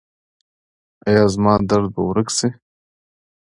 ایا زما درد به ورک شي؟